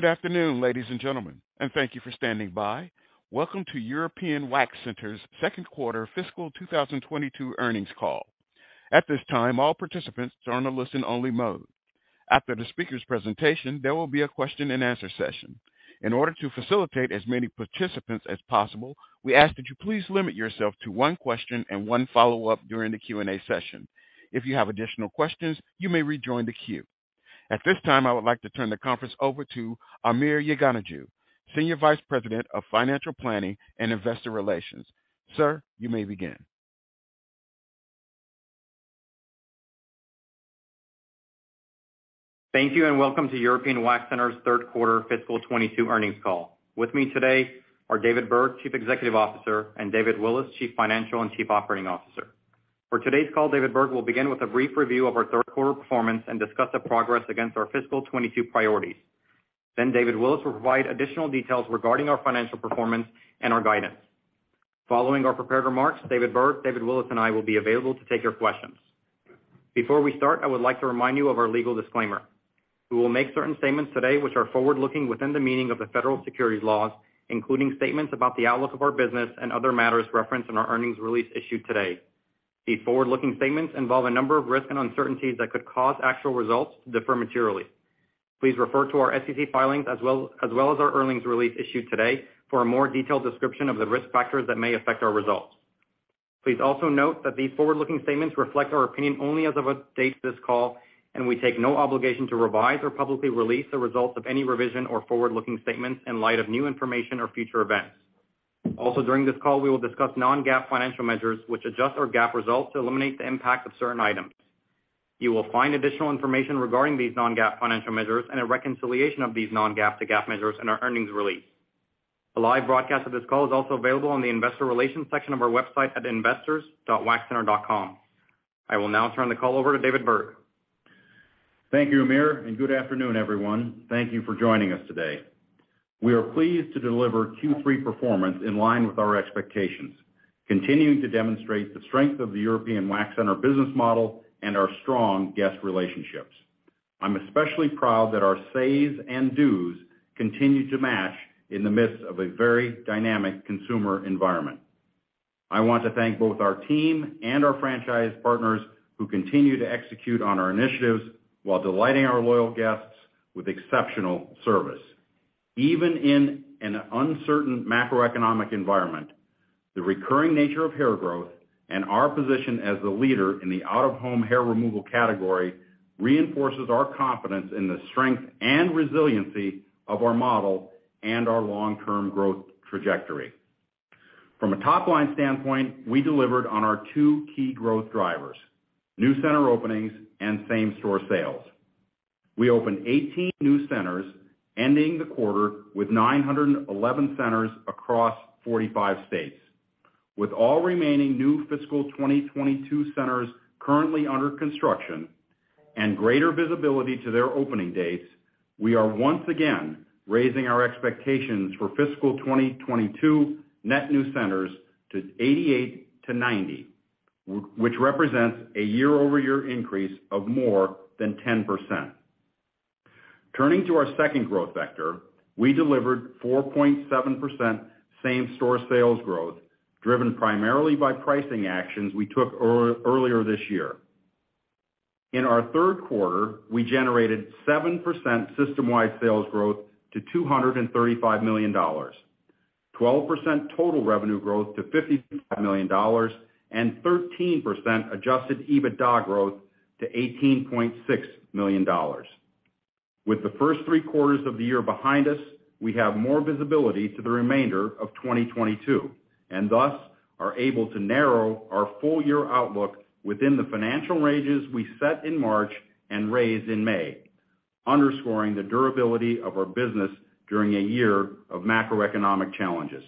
Good afternoon, ladies and gentlemen, and thank you for standing by. Welcome to European Wax Center's second quarter fiscal 2022 earnings call. At this time, all participants are on a listen only mode. After the speaker's presentation, there will be a question and answer session. In order to facilitate as many participants as possible, we ask that you please limit yourself to one question and one follow-up during the Q&A session. If you have additional questions, you may rejoin the queue. At this time, I would like to turn the conference over to Amir Yeganehjoo, Senior Vice President of Financial Planning and Investor Relations. Sir, you may begin. Thank you, and welcome to European Wax Center's third quarter fiscal 2022 earnings call. With me today are David Berg, Chief Executive Officer, and David Willis, Chief Financial and Chief Operating Officer. For today's call, David Berg will begin with a brief review of our third quarter performance and discuss the progress against our fiscal 2022 priorities. Then David Willis will provide additional details regarding our financial performance and our guidance. Following our prepared remarks, David Berg, David Willis, and I will be available to take your questions. Before we start, I would like to remind you of our legal disclaimer. We will make certain statements today which are forward-looking within the meaning of the Federal Securities laws, including statements about the outlook of our business and other matters referenced in our earnings release issued today. These forward-looking statements involve a number of risks and uncertainties that could cause actual results to differ materially. Please refer to our SEC filings as well as our earnings release issued today for a more detailed description of the risk factors that may affect our results. Please also note that these forward-looking statements reflect our opinion only as of the date of this call, and we take no obligation to revise or publicly release the results of any revision or forward-looking statements in light of new information or future events. Also, during this call, we will discuss non-GAAP financial measures, which adjust our GAAP results to eliminate the impact of certain items. You will find additional information regarding these non-GAAP financial measures and a reconciliation of these non-GAAP to GAAP measures in our earnings release. A live broadcast of this call is also available on the investor relations section of our website at investors.waxcenter.com. I will now turn the call over to David Berg. Thank you, Amir, and good afternoon, everyone. Thank you for joining us today. We are pleased to deliver Q3 performance in line with our expectations, continuing to demonstrate the strength of the European Wax Center business model and our strong guest relationships. I'm especially proud that our says and does continue to match in the midst of a very dynamic consumer environment. I want to thank both our team and our franchise partners who continue to execute on our initiatives while delighting our loyal guests with exceptional service. Even in an uncertain macroeconomic environment, the recurring nature of hair growth and our position as the leader in the out-of-home hair removal category reinforces our confidence in the strength and resiliency of our model and our long-term growth trajectory. From a top-line standpoint, we delivered on our two key growth drivers, new center openings and same-store sales. We opened 18 new centers, ending the quarter with 911 centers across 45 states. With all remaining new fiscal 2022 centers currently under construction and greater visibility to their opening dates, we are once again raising our expectations for fiscal 2022 net new centers to 88-90, which represents a year-over-year increase of more than 10%. Turning to our second growth vector, we delivered 4.7% same-store sales growth, driven primarily by pricing actions we took earlier this year. In our third quarter, we generated 7% system-wide sales growth to $235 million, 12% total revenue growth to $50 million, and 13% adjusted EBITDA growth to $18.6 million. With the first three quarters of the year behind us, we have more visibility to the remainder of 2022 and thus are able to narrow our full year outlook within the financial ranges we set in March and raised in May, underscoring the durability of our business during a year of macroeconomic challenges.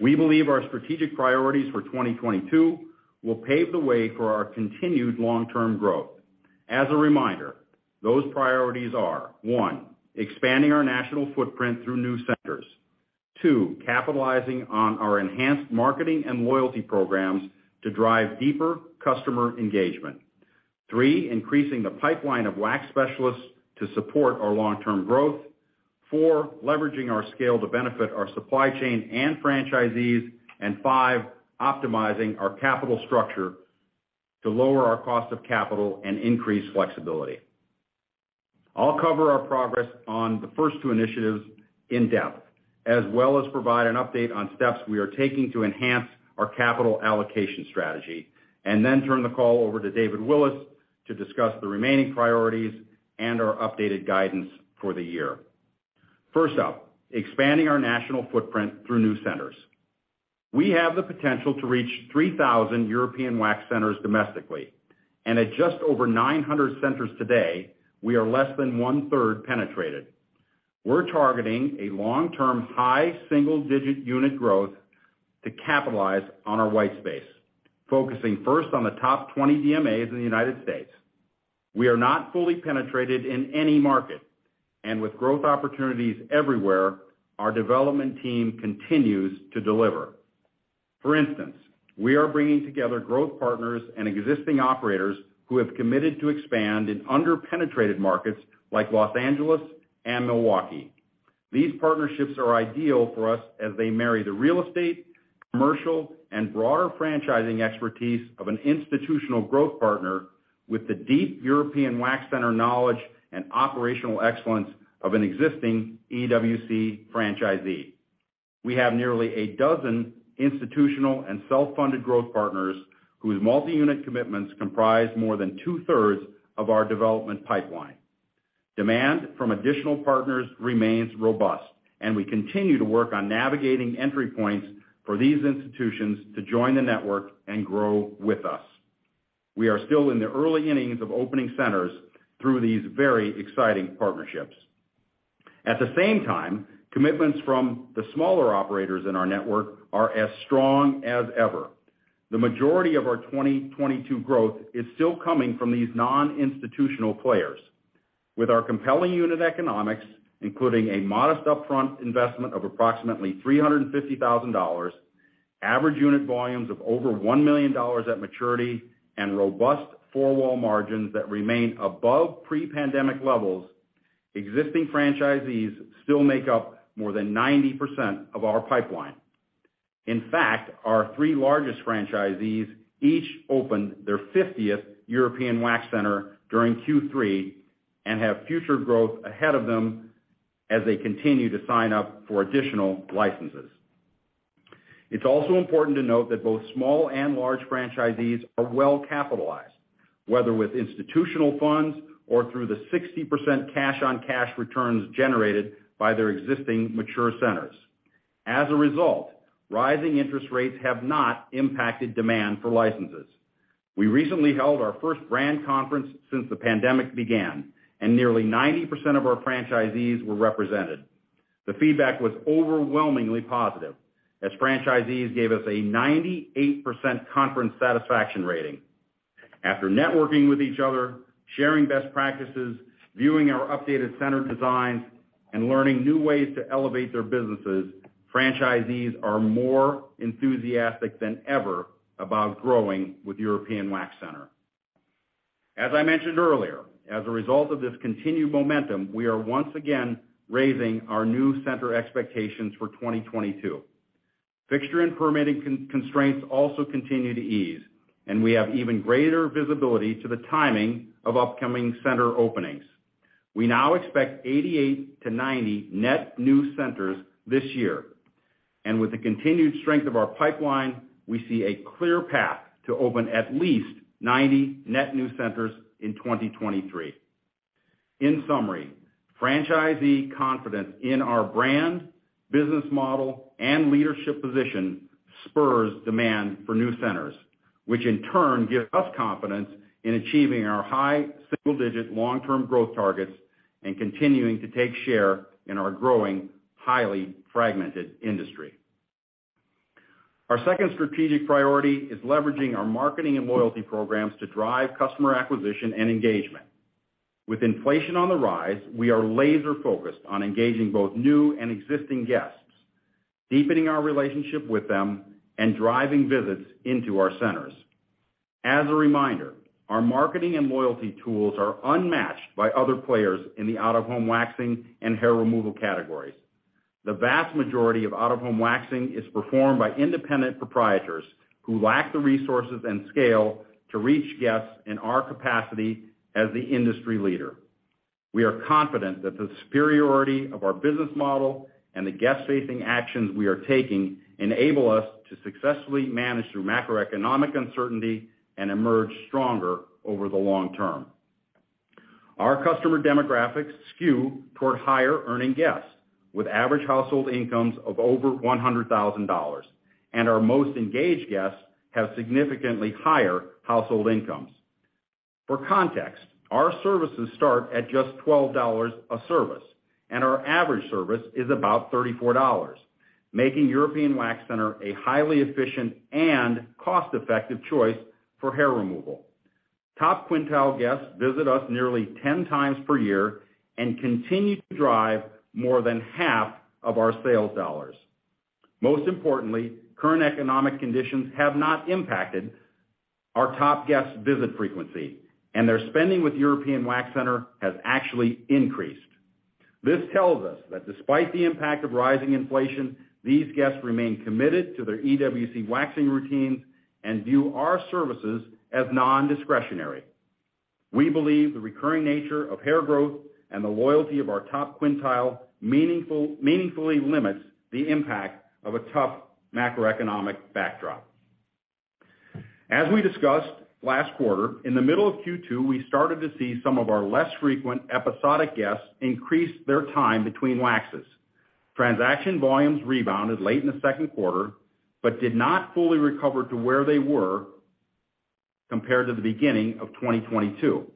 We believe our strategic priorities for 2022 will pave the way for our continued long-term growth. As a reminder, those priorities are, one, expanding our national footprint through new centers. Two, capitalizing on our enhanced marketing and loyalty programs to drive deeper customer engagement. Three, increasing the pipeline of wax specialists to support our long-term growth. Four, leveraging our scale to benefit our supply chain and franchisees. Five, optimizing our capital structure to lower our cost of capital and increase flexibility. I'll cover our progress on the first two initiatives in depth, as well as provide an update on steps we are taking to enhance our capital allocation strategy, and then turn the call over to David Willis to discuss the remaining priorities and our updated guidance for the year. First up, expanding our national footprint through new centers. We have the potential to reach 3,000 European Wax Centers domestically. At just over 900 centers today, we are less than one-third penetrated. We're targeting a long-term high single-digit unit growth to capitalize on our white space, focusing first on the top 20 DMAs in the United States. We are not fully penetrated in any market, and with growth opportunities everywhere, our development team continues to deliver. For instance, we are bringing together growth partners and existing operators who have committed to expand in under-penetrated markets like Los Angeles and Milwaukee. These partnerships are ideal for us as they marry the real estate, commercial, and broader franchising expertise of an institutional growth partner with the deep European Wax Center knowledge and operational excellence of an existing EWC franchisee. We have nearly a dozen institutional and self-funded growth partners whose multi-unit commitments comprise more than two-thirds of our development pipeline. Demand from additional partners remains robust, and we continue to work on navigating entry points for these institutions to join the network and grow with us. We are still in the early innings of opening centers through these very exciting partnerships. At the same time, commitments from the smaller operators in our network are as strong as ever. The majority of our 2022 growth is still coming from these non-institutional players. With our compelling unit economics, including a modest upfront investment of approximately $350,000, average unit volumes of over $1 million at maturity, and robust four-wall margins that remain above pre-pandemic levels, existing franchisees still make up more than 90% of our pipeline. In fact, our three largest franchisees each opened their 50th European Wax Center during Q3 and have future growth ahead of them as they continue to sign up for additional licenses. It's also important to note that both small and large franchisees are well-capitalized, whether with institutional funds or through the 60% cash-on-cash returns generated by their existing mature centers. As a result, rising interest rates have not impacted demand for licenses. We recently held our first brand conference since the pandemic began, and nearly 90% of our franchisees were represented. The feedback was overwhelmingly positive, as franchisees gave us a 98% conference satisfaction rating. After networking with each other, sharing best practices, viewing our updated center designs, and learning new ways to elevate their businesses, franchisees are more enthusiastic than ever about growing with European Wax Center. As I mentioned earlier, as a result of this continued momentum, we are once again raising our new center expectations for 2022. Fixture and permitting constraints also continue to ease, and we have even greater visibility to the timing of upcoming center openings. We now expect 88-90 net new centers this year. With the continued strength of our pipeline, we see a clear path to open at least 90 net new centers in 2023. In summary, franchisee confidence in our brand, business model, and leadership position spurs demand for new centers, which in turn gives us confidence in achieving our high single-digit long-term growth targets and continuing to take share in our growing highly fragmented industry. Our second strategic priority is leveraging our marketing and loyalty programs to drive customer acquisition and engagement. With inflation on the rise, we are laser-focused on engaging both new and existing guests, deepening our relationship with them, and driving visits into our centers. As a reminder, our marketing and loyalty tools are unmatched by other players in the out-of-home waxing and hair removal categories. The vast majority of out-of-home waxing is performed by independent proprietors who lack the resources and scale to reach guests in our capacity as the industry leader. We are confident that the superiority of our business model and the guest-facing actions we are taking enable us to successfully manage through macroeconomic uncertainty and emerge stronger over the long term. Our customer demographics skew toward higher-earning guests with average household incomes of over $100,000, and our most engaged guests have significantly higher household incomes. For context, our services start at just $12 a service, and our average service is about $34, making European Wax Center a highly efficient and cost-effective choice for hair removal. Top quintile guests visit us nearly 10 times per year and continue to drive more than half of our sales dollars. Most importantly, current economic conditions have not impacted our top guests' visit frequency, and their spending with European Wax Center has actually increased. This tells us that despite the impact of rising inflation, these guests remain committed to their EWC waxing routines and view our services as nondiscretionary. We believe the recurring nature of hair growth and the loyalty of our top quintile meaningfully limits the impact of a tough macroeconomic backdrop. As we discussed last quarter, in the middle of Q2, we started to see some of our less frequent episodic guests increase their time between waxes. Transaction volumes rebounded late in the second quarter, but did not fully recover to where they were compared to the beginning of 2022.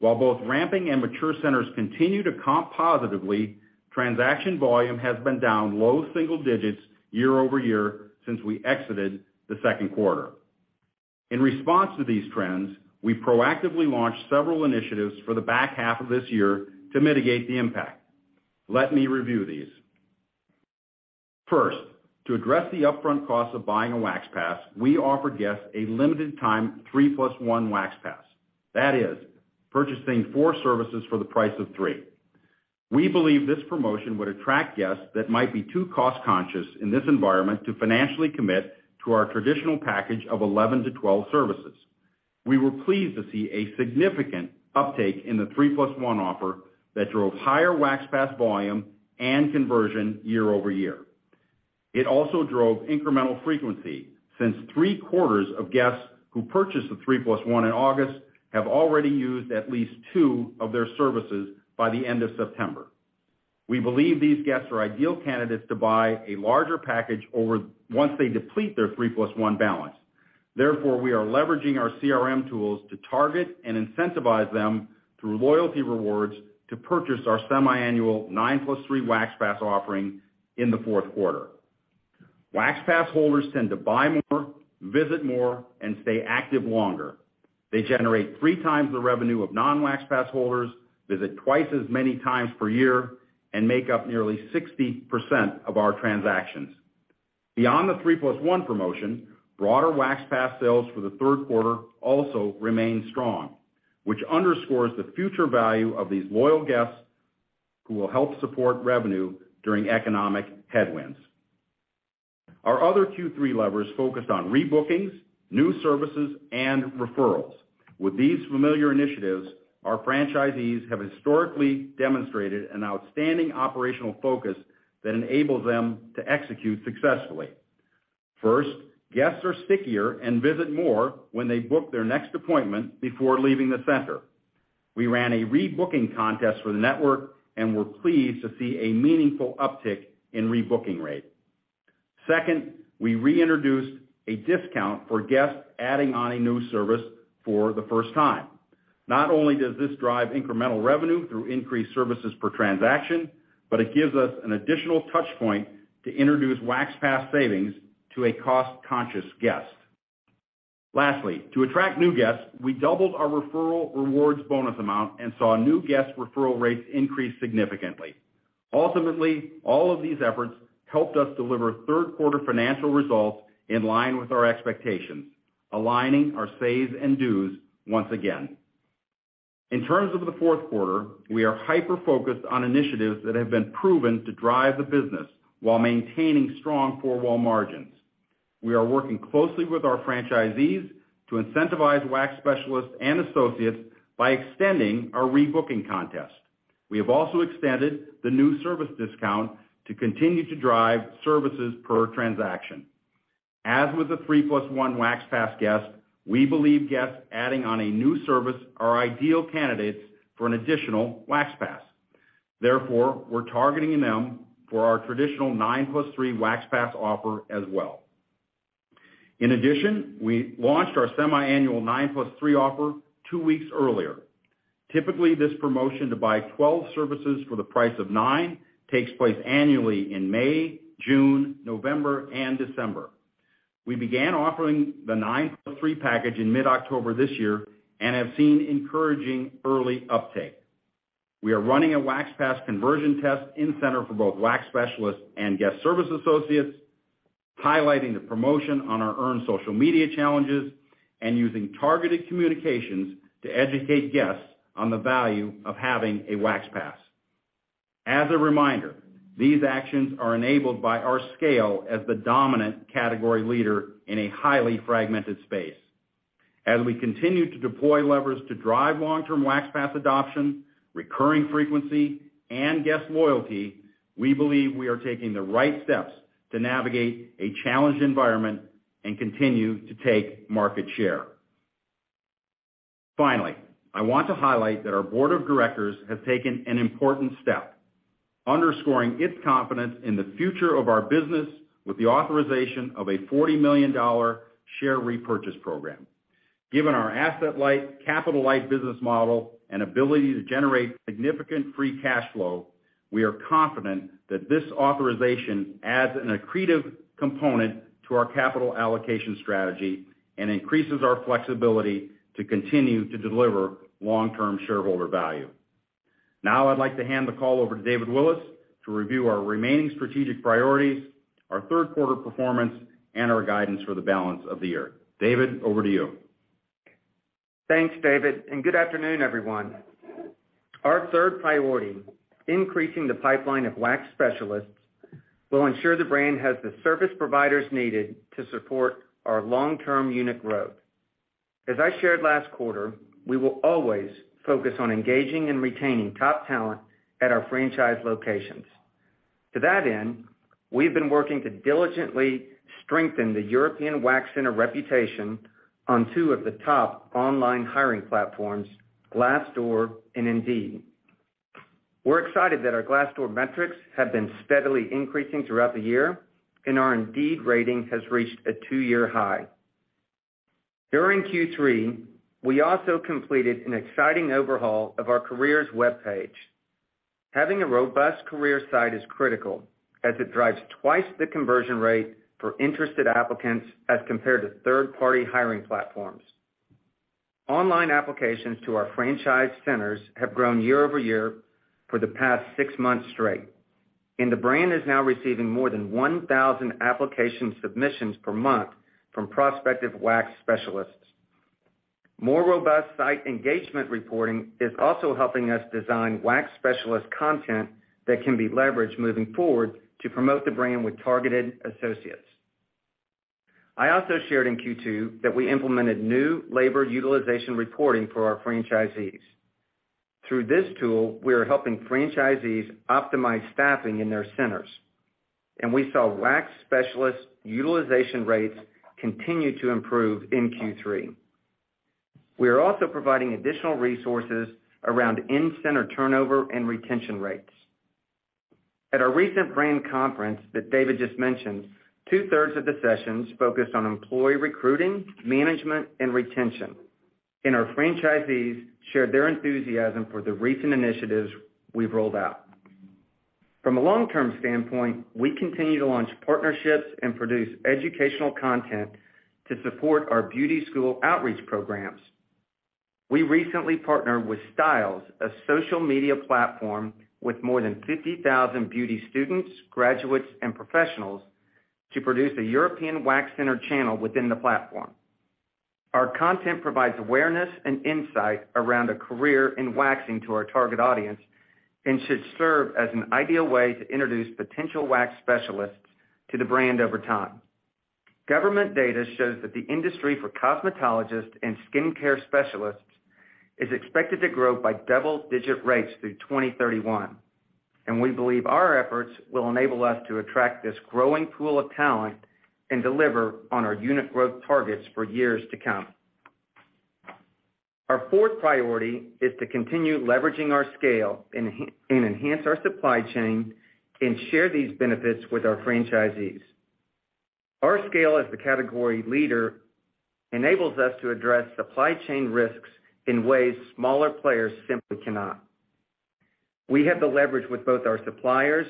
While both ramping and mature centers continue to comp positively, transaction volume has been down low single digits year-over-year since we exited the second quarter. In response to these trends, we proactively launched several initiatives for the back half of this year to mitigate the impact. Let me review these. First, to address the upfront cost of buying a Wax Pass, we offered guests a limited time 3+1 Wax Pass. That is purchasing four services for the price of three. We believe this promotion would attract guests that might be too cost-conscious in this environment to financially commit to our traditional package of 11-12 services. We were pleased to see a significant uptake in the 3+1 offer that drove higher Wax Pass volume and conversion year-over-year. It also drove incremental frequency since three-quarters of guests who purchased the 3+1 in August have already used at least two of their services by the end of September. We believe these guests are ideal candidates to buy a larger package over time once they deplete their 3+1 balance. Therefore, we are leveraging our CRM tools to target and incentivize them through loyalty rewards to purchase our semiannual 9+3 Wax Pass offering in the fourth quarter. Wax Pass holders tend to buy more, visit more, and stay active longer. They generate three times the revenue of non-Wax Pass holders, visit twice as many times per year, and make up nearly 60% of our transactions. Beyond the 3+1 promotion, broader Wax Pass sales for the third quarter also remain strong, which underscores the future value of these loyal guests who will help support revenue during economic headwinds. Our other Q3 levers focused on rebookings, new services, and referrals. With these familiar initiatives, our franchisees have historically demonstrated an outstanding operational focus that enables them to execute successfully. First, guests are stickier and visit more when they book their next appointment before leaving the center. We ran a rebooking contest for the network and were pleased to see a meaningful uptick in rebooking rate. Second, we reintroduced a discount for guests adding on a new service for the first time. Not only does this drive incremental revenue through increased services per transaction, but it gives us an additional touch point to introduce Wax Pass savings to a cost-conscious guest. Lastly, to attract new guests, we doubled our referral rewards bonus amount and saw new guest referral rates increase significantly. Ultimately, all of these efforts helped us deliver third-quarter financial results in line with our expectations, aligning our says and does once again. In terms of the fourth quarter, we are hyper-focused on initiatives that have been proven to drive the business while maintaining strong four-wall margins. We are working closely with our franchisees to incentivize wax specialists and associates by extending our rebooking contest. We have also extended the new service discount to continue to drive services per transaction. As with the 3+1 Wax Pass guest, we believe guests adding on a new service are ideal candidates for an additional Wax Pass. Therefore, we're targeting them for our traditional 9+3 Wax Pass offer as well. In addition, we launched our semiannual 9+3 offer two weeks earlier. Typically, this promotion to buy 12 services for the price of nine takes place annually in May, June, November, and December. We began offering the 9+3 Wax Pass in mid-October this year and have seen encouraging early uptake. We are running a Wax Pass conversion test in-center for both wax specialists and guest service associates, highlighting the promotion on our own social media challenges, and using targeted communications to educate guests on the value of having a Wax Pass. As a reminder, these actions are enabled by our scale as the dominant category leader in a highly fragmented space. As we continue to deploy levers to drive long-term Wax Pass adoption, recurring frequency, and guest loyalty, we believe we are taking the right steps to navigate a challenged environment and continue to take market share. Finally, I want to highlight that our board of directors has taken an important step, underscoring its confidence in the future of our business with the authorization of a $40 million share repurchase program. Given our asset-light, capital-light business model and ability to generate significant free cash flow, we are confident that this authorization adds an accretive component to our capital allocation strategy and increases our flexibility to continue to deliver long-term shareholder value. Now I'd like to hand the call over to David Willis to review our remaining strategic priorities, our third quarter performance, and our guidance for the balance of the year. David, over to you. Thanks, David, and good afternoon, everyone. Our third priority, increasing the pipeline of wax specialists, will ensure the brand has the service providers needed to support our long-term unit growth. As I shared last quarter, we will always focus on engaging and retaining top talent at our franchise locations. To that end, we've been working to diligently strengthen the European Wax Center reputation on two of the top online hiring platforms, Glassdoor and Indeed. We're excited that our Glassdoor metrics have been steadily increasing throughout the year and our Indeed rating has reached a two-year high. During Q3, we also completed an exciting overhaul of our careers webpage. Having a robust career site is critical as it drives twice the conversion rate for interested applicants as compared to third-party hiring platforms. Online applications to our franchise centers have grown year-over-year for the past six months straight, and the brand is now receiving more than 1,000 application submissions per month from prospective wax specialists. More robust site engagement reporting is also helping us design wax specialist content that can be leveraged moving forward to promote the brand with targeted associates. I also shared in Q2 that we implemented new labor utilization reporting for our franchisees. Through this tool, we are helping franchisees optimize staffing in their centers, and we saw wax specialist utilization rates continue to improve in Q3. We are also providing additional resources around in-center turnover and retention rates. At our recent brand conference that David just mentioned, two-thirds of the sessions focused on employee recruiting, management, and retention, and our franchisees shared their enthusiasm for the recent initiatives we've rolled out. From a long-term standpoint, we continue to launch partnerships and produce educational content to support our beauty school outreach programs. We recently partnered with Styld, a social media platform with more than 50,000 beauty students, graduates, and professionals to produce a European Wax Center channel within the platform. Our content provides awareness and insight around a career in waxing to our target audience and should serve as an ideal way to introduce potential wax specialists to the brand over time. Government data shows that the industry for cosmetologists and skincare specialists is expected to grow by double-digit rates through 2031, and we believe our efforts will enable us to attract this growing pool of talent and deliver on our unit growth targets for years to come. Our fourth priority is to continue leveraging our scale and enhance our supply chain and share these benefits with our franchisees. Our scale as the category leader enables us to address supply chain risks in ways smaller players simply cannot. We have the leverage with both our suppliers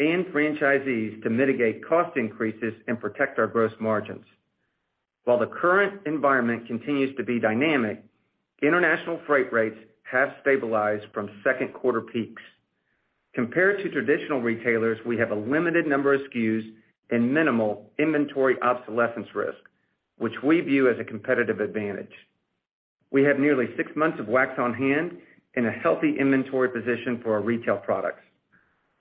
and franchisees to mitigate cost increases and protect our gross margins. While the current environment continues to be dynamic, international freight rates have stabilized from second quarter peaks. Compared to traditional retailers, we have a limited number of SKUs and minimal inventory obsolescence risk, which we view as a competitive advantage. We have nearly six months of wax on hand and a healthy inventory position for our retail products.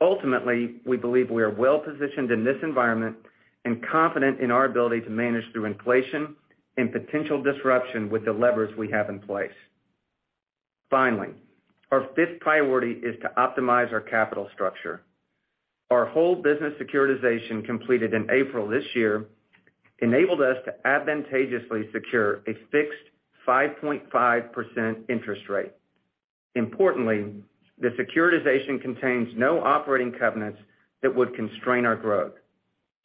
Ultimately, we believe we are well positioned in this environment and confident in our ability to manage through inflation and potential disruption with the levers we have in place. Finally, our fifth priority is to optimize our capital structure. Our whole business securitization completed in April this year enabled us to advantageously secure a fixed 5.5% interest rate. Importantly, the securitization contains no operating covenants that would constrain our growth,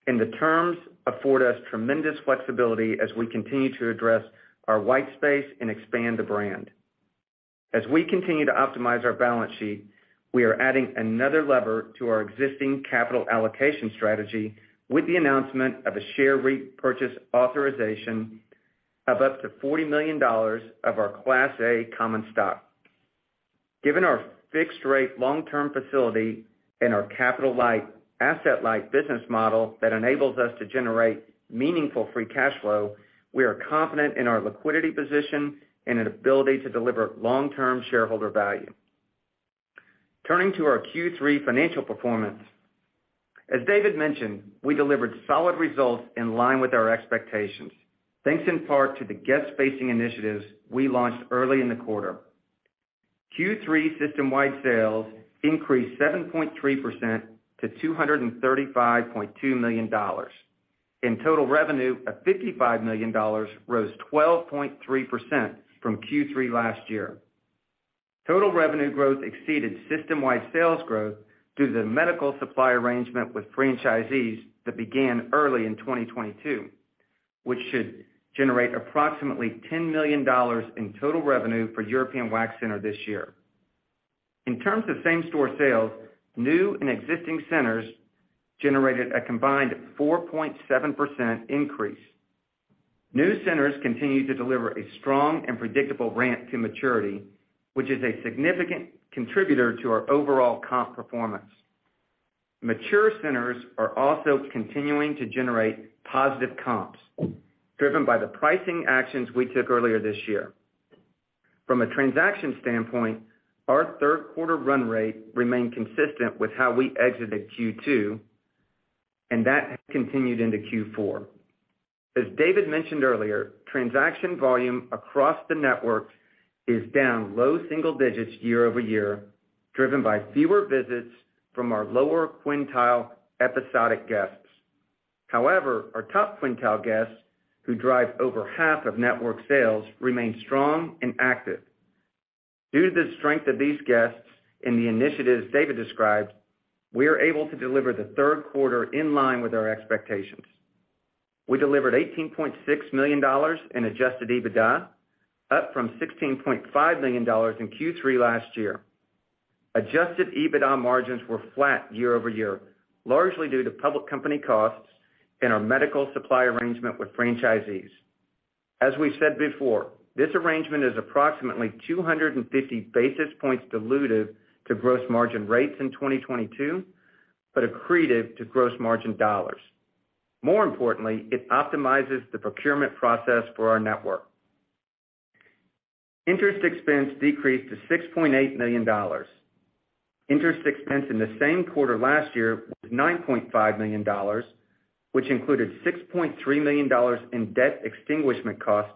and the terms afford us tremendous flexibility as we continue to address our white space and expand the brand. As we continue to optimize our balance sheet, we are adding another lever to our existing capital allocation strategy with the announcement of a share repurchase authorization of up to $40 million of our Class A common stock. Given our fixed rate long-term facility and our capital-like, asset-like business model that enables us to generate meaningful free cash flow, we are confident in our liquidity position and an ability to deliver long-term shareholder value. Turning to our Q3 financial performance. As David mentioned, we delivered solid results in line with our expectations. Thanks in part to the guest-facing initiatives we launched early in the quarter. Q3 system-wide sales increased 7.3% to $235.2 million. Our total revenue of $55 million rose 12.3% from Q3 last year. Total revenue growth exceeded system-wide sales growth due to the medical supply arrangement with franchisees that began early in 2022, which should generate approximately $10 million in total revenue for European Wax Center this year. In terms of same-store sales, new and existing centers generated a combined 4.7% increase. New centers continued to deliver a strong and predictable ramp to maturity, which is a significant contributor to our overall comp performance. Mature centers are also continuing to generate positive comps driven by the pricing actions we took earlier this year. From a transaction standpoint, our third quarter run rate remained consistent with how we exited Q2, and that has continued into Q4. As David mentioned earlier, transaction volume across the network is down low single digits year-over-year, driven by fewer visits from our lower quintile episodic guests. However, our top quintile guests, who drive over half of network sales, remain strong and active. Due to the strength of these guests and the initiatives David described, we are able to deliver the third quarter in line with our expectations. We delivered $18.6 million in adjusted EBITDA, up from $16.5 million in Q3 last year. Adjusted EBITDA margins were flat year-over-year, largely due to public company costs and our merchandise supply arrangement with franchisees. As we said before, this arrangement is approximately 250 basis points dilutive to gross margin rates in 2022, but accretive to gross margin dollars. More importantly, it optimizes the procurement process for our network. Interest expense decreased to $6.8 million. Interest expense in the same quarter last year was $9.5 million, which included $6.3 million in debt extinguishment costs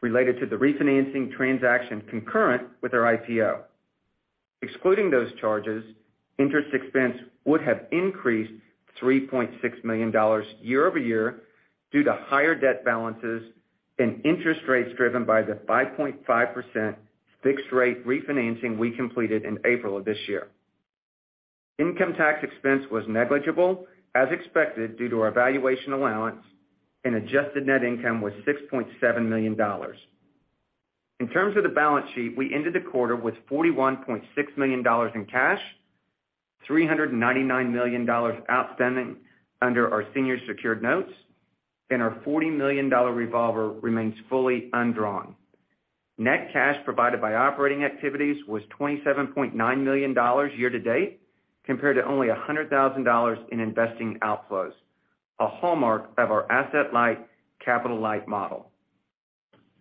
related to the refinancing transaction concurrent with our IPO. Excluding those charges, interest expense would have increased $3.6 million year-over-year due to higher debt balances and interest rates driven by the 5.5% fixed rate refinancing we completed in April of this year. Income tax expense was negligible as expected due to our valuation allowance and adjusted net income was $6.7 million. In terms of the balance sheet, we ended the quarter with $41.6 million in cash, $399 million outstanding under our senior secured notes, and our $40 million revolver remains fully undrawn. Net cash provided by operating activities was $27.9 million year to date compared to only $100,000 in investing outflows, a hallmark of our asset-light, capital-light model.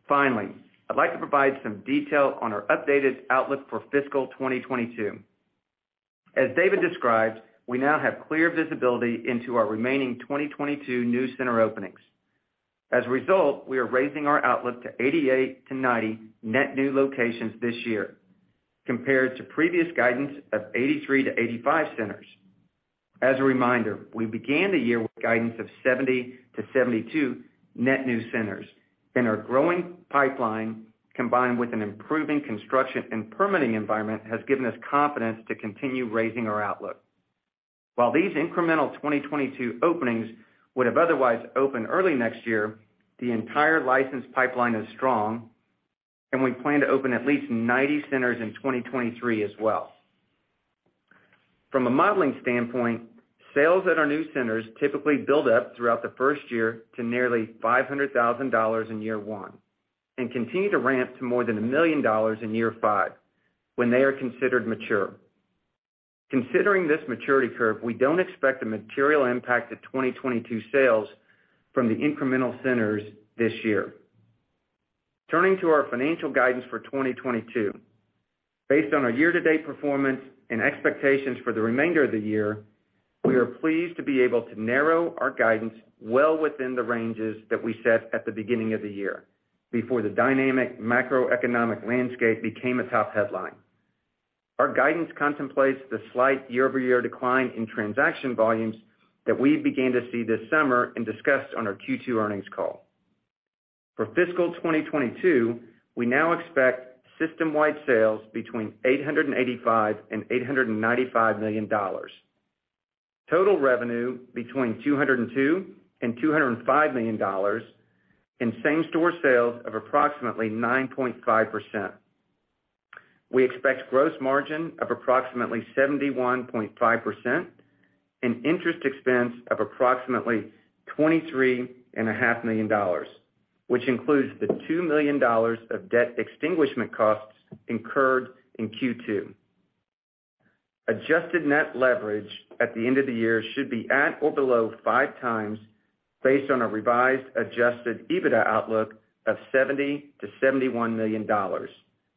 Finally, I'd like to provide some detail on our updated outlook for fiscal 2022. As David described, we now have clear visibility into our remaining 2022 new center openings. As a result, we are raising our outlook to 88-90 net new locations this year compared to previous guidance of 83-85 centers. As a reminder, we began the year with guidance of 70-72 net new centers, and our growing pipeline, combined with an improving construction and permitting environment, has given us confidence to continue raising our outlook. While these incremental 2022 openings would have otherwise opened early next year, the entire license pipeline is strong and we plan to open at least 90 centers in 2023 as well. From a modeling standpoint, sales at our new centers typically build up throughout the first year to nearly $500,000 in year one and continue to ramp to more than $1 million in year five when they are considered mature. Considering this maturity curve, we don't expect a material impact to 2022 sales from the incremental centers this year. Turning to our financial guidance for 2022. Based on our year-to-date performance and expectations for the remainder of the year, we are pleased to be able to narrow our guidance well within the ranges that we set at the beginning of the year before the dynamic macroeconomic landscape became a top headline. Our guidance contemplates the slight year-over-year decline in transaction volumes that we began to see this summer and discussed on our Q2 earnings call. For fiscal 2022, we now expect system-wide sales between $885 million and $895 million, total revenue between $202 million and $205 million, and same-store sales of approximately 9.5%. We expect gross margin of approximately 71.5% and interest expense of approximately $23.5 million, which includes the $2 million of debt extinguishment costs incurred in Q2. Adjusted net leverage at the end of the year should be at or below 5x based on a revised adjusted EBITDA outlook of $70-$71 million.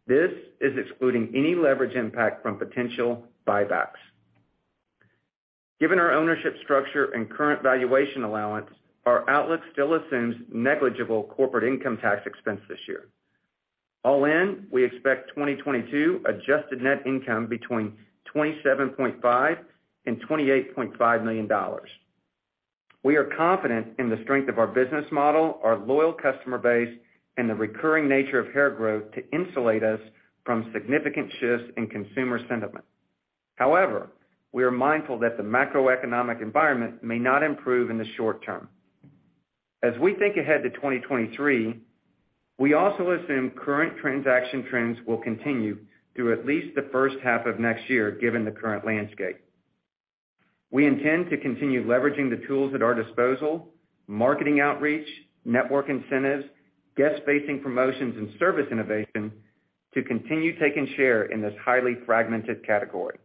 This is excluding any leverage impact from potential buybacks. Given our ownership structure and current valuation allowance, our outlook still assumes negligible corporate income tax expense this year. All in, we expect 2022 adjusted net income between $27.5-$28.5 million. We are confident in the strength of our business model, our loyal customer base, and the recurring nature of hair growth to insulate us from significant shifts in consumer sentiment. However, we are mindful that the macroeconomic environment may not improve in the short term. As we think ahead to 2023, we also assume current transaction trends will continue through at least the first half of next year given the current landscape. We intend to continue leveraging the tools at our disposal, marketing outreach, network incentives, guest-facing promotions, and service innovation to continue taking share in this highly fragmented category.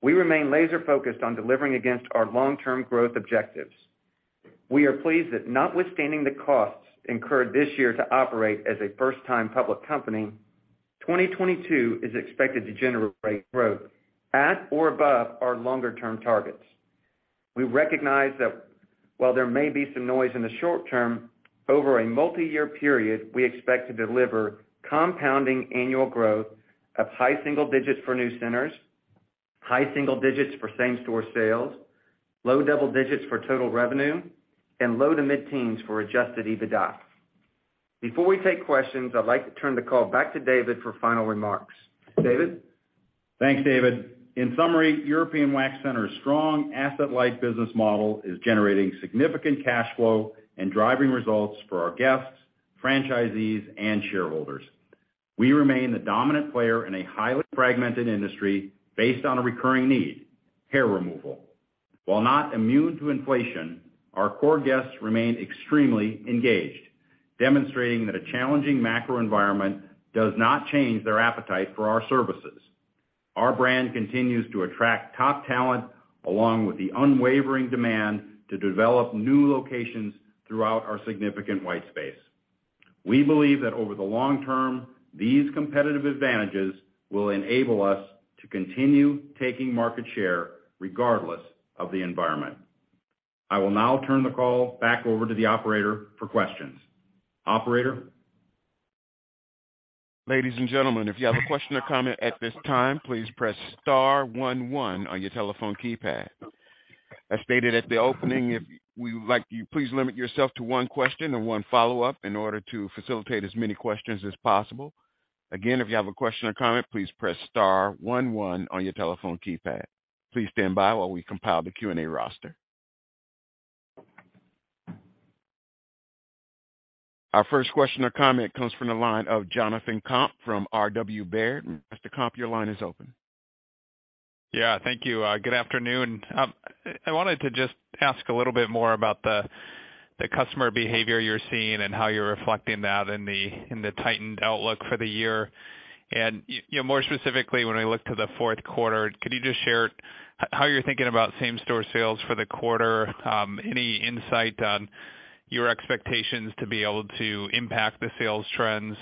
We remain laser-focused on delivering against our long-term growth objectives. We are pleased that notwithstanding the costs incurred this year to operate as a first-time public company, 2022 is expected to generate growth at or above our longer-term targets. We recognize that while there may be some noise in the short term, over a multiyear period, we expect to deliver compounding annual growth of high single digits for new centers, high single digits for same-store sales, low double digits for total revenue, and low to mid-teens for adjusted EBITDA. Before we take questions, I'd like to turn the call back to David for final remarks. David? Thanks, David. In summary, European Wax Center's strong asset-light business model is generating significant cash flow and driving results for our guests, franchisees, and shareholders. We remain the dominant player in a highly fragmented industry based on a recurring need, hair removal. While not immune to inflation, our core guests remain extremely engaged, demonstrating that a challenging macro environment does not change their appetite for our services. Our brand continues to attract top talent, along with the unwavering demand to develop new locations throughout our significant white space. We believe that over the long term, these competitive advantages will enable us to continue taking market share regardless of the environment. I will now turn the call back over to the operator for questions. Operator? Ladies and gentlemen, if you have a question or comment at this time, please press star one one on your telephone keypad. As stated at the opening, we would like you to please limit yourself to one question and one follow-up in order to facilitate as many questions as possible. Again, if you have a question or comment, please press star one one on your telephone keypad. Please stand by while we compile the Q&A roster. Our first question or comment comes from the line of Jonathan Komp from Robert W. Baird & Co. Mr. Komp, your line is open. Yeah. Thank you. Good afternoon. I wanted to just ask a little bit more about the customer behavior you're seeing and how you're reflecting that in the tightened outlook for the year. You know, more specifically, when we look to the fourth quarter, could you just share how you're thinking about same-store sales for the quarter? Any insight on your expectations to be able to impact the sales trends?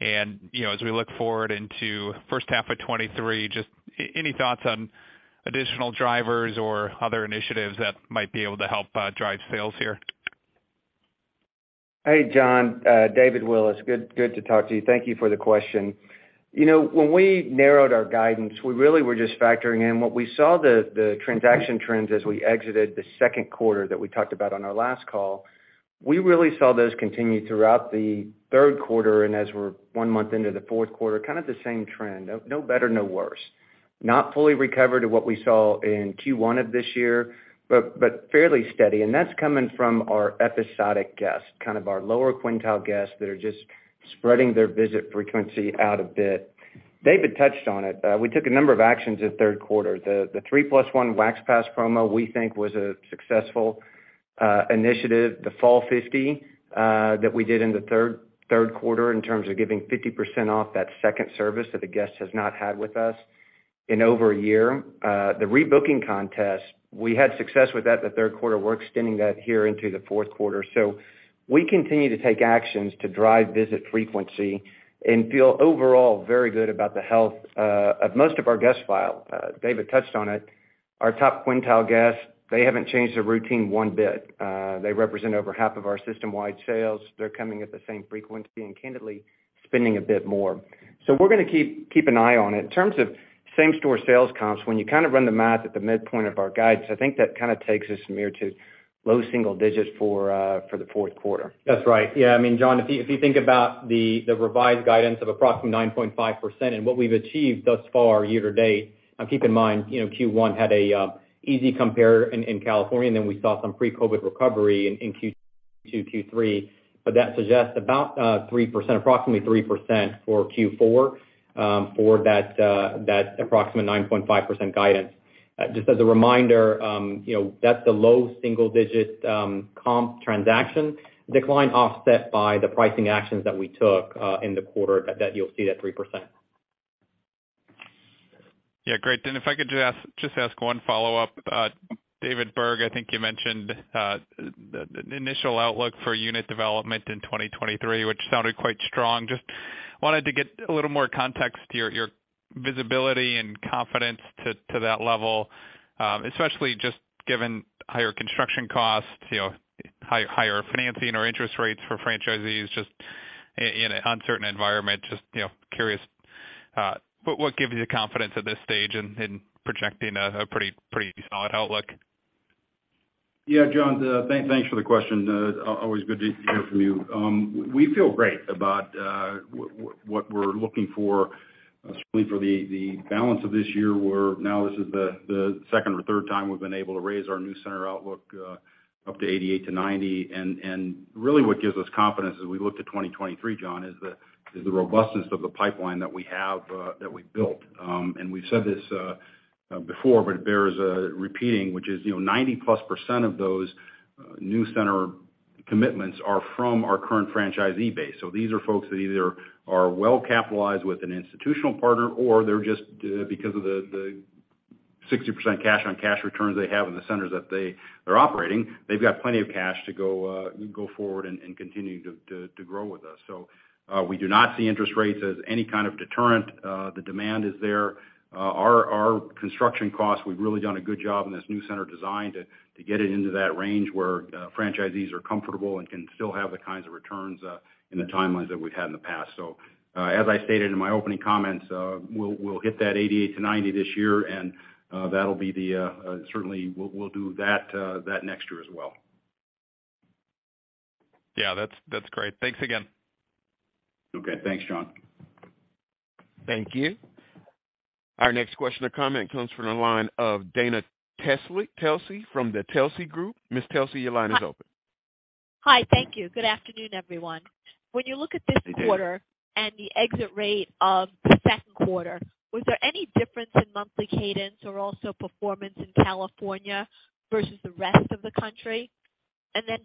You know, as we look forward into first half of 2023, just any thoughts on additional drivers or other initiatives that might be able to help drive sales here? Hey, John. David Willis. Good to talk to you. Thank you for the question. You know, when we narrowed our guidance, we really were just factoring in what we saw transaction trends as we exited the second quarter that we talked about on our last call. We really saw those continue throughout the third quarter and as we're one month into the fourth quarter, kind of the same trend. No better, no worse. Not fully recovered to what we saw in Q1 of this year, but fairly steady. That's coming from our episodic guests, kind of our lower quintile guests that are just spreading their visit frequency out a bit. David touched on it. We took a number of actions this third quarter. The 3+1 Wax Pass promo, we think was a successful initiative. The Fall Fifty that we did in the third quarter in terms of giving 50% off that second service that the guest has not had with us in over a year. The rebooking contest, we had success with that in the third quarter. We're extending that here into the fourth quarter. We continue to take actions to drive visit frequency and feel overall very good about the health of most of our guest file. David touched on it. Our top quintile guests, they haven't changed their routine one bit. They represent over half of our system-wide sales. They're coming at the same frequency and candidly spending a bit more. We're gonna keep an eye on it. In terms of same-store sales comps, when you kind of run the math at the midpoint of our guidance, I think that kind of takes us, Amir, to low single digits for the fourth quarter. That's right. Yeah. I mean, John, if you think about the revised guidance of approximately 9.5% and what we've achieved thus far year to date, now keep in mind, you know, Q1 had a easy compare in California, and then we saw some pre-COVID recovery in Q2, Q3. That suggests about 3%, approximately 3% for Q4, for that approximate 9.5% guidance. Just as a reminder, you know, that's the low single digit comp transaction decline offset by the pricing actions that we took in the quarter that you'll see that 3%. Yeah, great. If I could just ask one follow-up. David Berg, I think you mentioned the initial outlook for unit development in 2023, which sounded quite strong. Just wanted to get a little more context to your visibility and confidence to that level, especially just given higher construction costs, you know, higher financing or interest rates for franchisees in an uncertain environment. Just, you know, curious what gives you confidence at this stage in projecting a pretty solid outlook? Yeah, John, thanks for the question. Always good to hear from you. We feel great about what we're looking for, certainly for the balance of this year, where now this is the second or third time we've been able to raise our new center outlook, up to 88-90. Really what gives us confidence as we look to 2023, John, is the robustness of the pipeline that we have that we've built. We've said this before, but it bears repeating, which is, you know, 90+% of those new center commitments are from our current franchisee base. These are folks that either are well capitalized with an institutional partner, or they're just because of the 60% cash on cash returns they have in the centers that they are operating, they've got plenty of cash to go forward and continue to grow with us. We do not see interest rates as any kind of deterrent. The demand is there. Our construction costs, we've really done a good job in this new center design to get it into that range where franchisees are comfortable and can still have the kinds of returns and the timelines that we've had in the past. As I stated in my opening comments, we'll hit that 88%-90% this year, and certainly we'll do that next year as well. Yeah, that's great. Thanks again. Okay, thanks, John. Thank you. Our next question or comment comes from the line of Dana Telsey from the Telsey Group. Ms. Telsey, your line is open. Hi. Thank you. Good afternoon, everyone. When you look at this. Hey, Dana. Quarter and the exit rate of the second quarter, was there any difference in monthly cadence or also performance in California versus the rest of the country?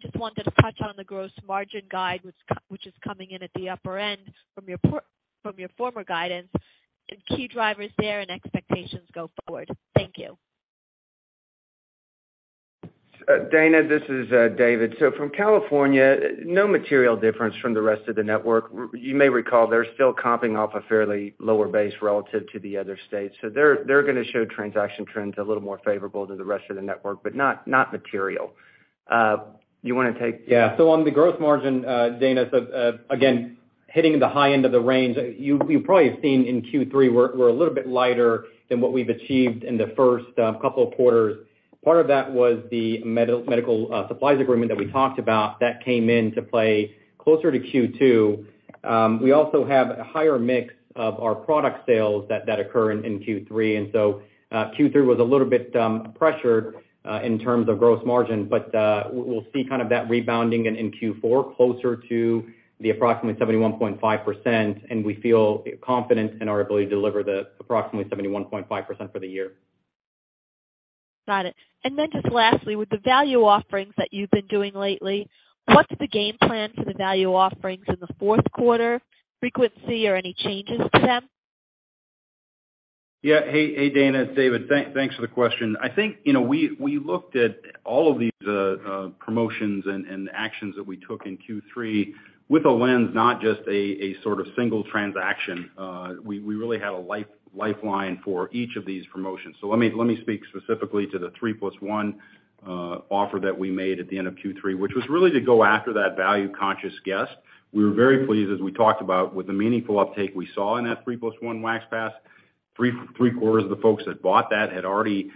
Just wanted to touch on the gross margin guide, which is coming in at the upper end from your former guidance and key drivers there and expectations go forward. Thank you. Dana, this is David. From California, no material difference from the rest of the network. You may recall they're still comping off a fairly lower base relative to the other states. They're gonna show transaction trends a little more favorable than the rest of the network, but not material. You wanna take? On the gross margin, Dana, again, hitting the high end of the range, you probably have seen in Q3, we're a little bit lighter than what we've achieved in the first couple of quarters. Part of that was the medical supplies agreement that we talked about that came into play closer to Q2. We also have a higher mix of our product sales that occur in Q3. Q3 was a little bit pressured in terms of gross margin. We'll see kind of that rebounding in Q4 closer to the approximately 71.5%, and we feel confident in our ability to deliver the approximately 71.5% for the year. Got it. Just lastly, with the value offerings that you've been doing lately, what's the game plan for the value offerings in the fourth quarter, frequency or any changes to them? Yeah. Hey, Dana, it's David. Thanks for the question. I think, you know, we looked at all of these promotions and actions that we took in Q3 with a lens, not just a sort of single transaction. We really had a lifeline for each of these promotions. Let me speak specifically to the 3+1 offer that we made at the end of Q3, which was really to go after that value-conscious guest. We were very pleased, as we talked about, with the meaningful uptake we saw in that 3+1 Wax Pass. Three quarters of the folks that bought that had already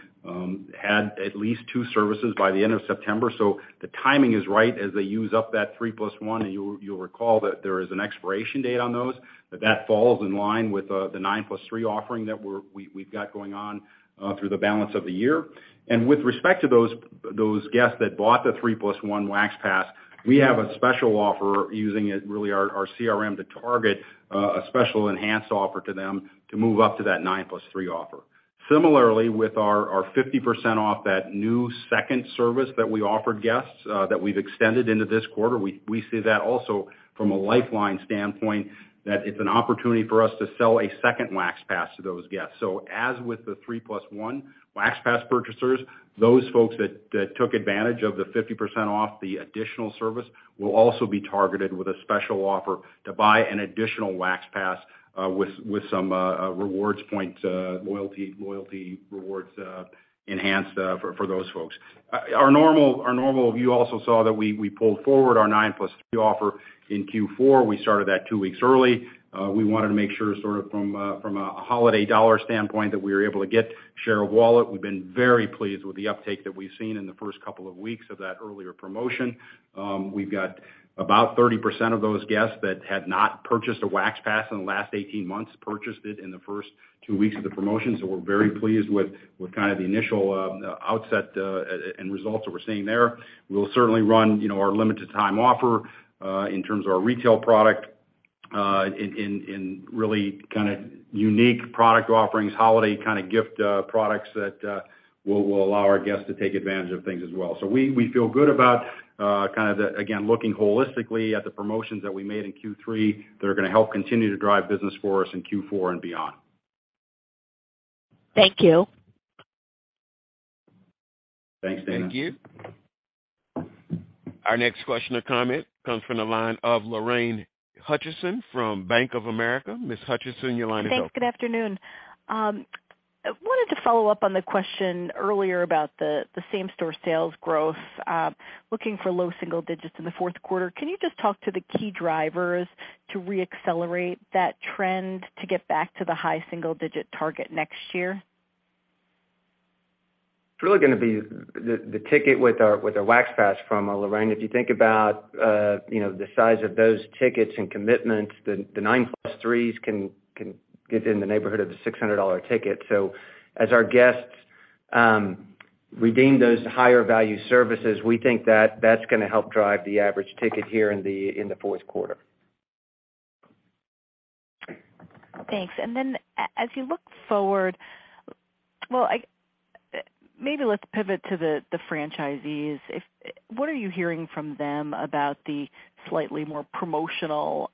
had at least two services by the end of September. The timing is right as they use up that 3+1. You'll recall that there is an expiration date on those, but that falls in line with the 9+3 offering that we've got going on through the balance of the year. With respect to those guests that bought the 3+1 Wax Pass, we have a special offer using it, really our CRM to target a special enhanced offer to them to move up to that 9+3 offer. Similarly, with our 50% off that new second service that we offer guests that we've extended into this quarter, we see that also from a lifetime standpoint that it's an opportunity for us to sell a second Wax Pass to those guests. As with the 3+1 Wax Pass purchasers, those folks that took advantage of the 50% off the additional service will also be targeted with a special offer to buy an additional Wax Pass with some rewards points, loyalty rewards enhanced for those folks. You also saw that we pulled forward our 9+3 offer in Q4. We started that two weeks early. We wanted to make sure from a holiday dollar standpoint, that we were able to get share of wallet. We've been very pleased with the uptake that we've seen in the first couple of weeks of that earlier promotion. We've got about 30% of those guests that had not purchased a Wax Pass in the last 18 months, purchased it in the first two weeks of the promotion. We're very pleased with kind of the initial outset and results that we're seeing there. We'll certainly run, you know, our limited time offer, in terms of our retail product, in really kinda unique product offerings, holiday kinda gift, products that will allow our guests to take advantage of things as well. We feel good about kinda again, looking holistically at the promotions that we made in Q3 that are gonna help continue to drive business for us in Q4 and beyond. Thank you. Thanks, Dana. Thank you. Our next question or comment comes from the line of Lorraine Hutchinson from Bank of America. Ms. Hutchinson, your line is open. Thanks. Good afternoon. I wanted to follow up on the question earlier about the same-store sales growth, looking for low single digits in the fourth quarter. Can you just talk to the key drivers to reaccelerate that trend to get back to the high single digit target next year? It's really gonna be the ticket with our Wax Pass promo, Lorraine. If you think about the size of those tickets and commitments, the 9+3s can get in the neighborhood of the $600 ticket. As our guests redeem those higher value services, we think that that's gonna help drive the average ticket here in the fourth quarter. Thanks. Then as you look forward, well, maybe let's pivot to the franchisees. What are you hearing from them about the slightly more promotional